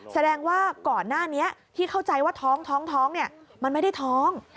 แสดงว่าก่อนหน้านี้ที่เข้าใจว่าท้องเนี่ยมันไม่ได้ท้อง